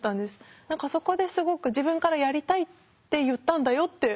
何かそこですごく自分からやりたいって言ったんだよって